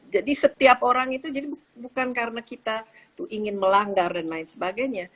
jadi setiap orang itu bukan karena kita ingin melanggar dan lain sebagainya